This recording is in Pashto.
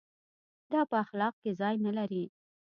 دا په اخلاق کې ځای نه لري.